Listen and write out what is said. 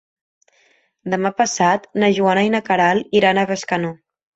Demà passat na Joana i na Queralt iran a Bescanó.